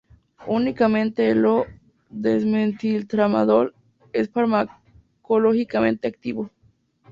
Únicamente el O-desmetiltramadol es farmacológicamente activo.